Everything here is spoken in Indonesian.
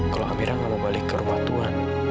kalau amirah gak mau balik ke rumah tuhan